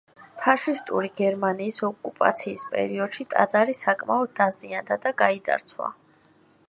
ფაშისტური გერმანიის ოკუპაციის პერიოდში ტაძარი საკმაოდ დაზიანდა და გაიძარცვა.